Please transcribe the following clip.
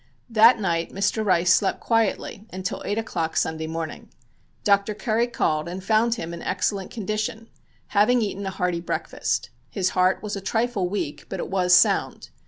That night Mr. Rice slept quietly until eight o'clock Sunday morning. Dr. Curry called and found him in excellent condition, having eaten a hearty breakfast. His heart was a trifle weak, but it was sound.